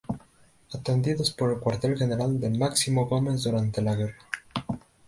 Atendidos por el Cuartel general de Máximo Gómez durante la guerra.